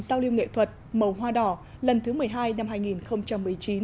giao lưu nghệ thuật màu hoa đỏ lần thứ một mươi hai năm hai nghìn một mươi chín